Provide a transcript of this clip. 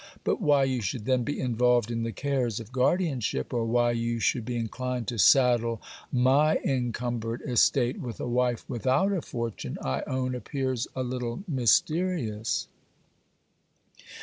But why you should then be involved in the cares of guardianship, or why you should be inclined to saddle my encumbered estate with a wife without a fortune, I own appears a little mysterious.'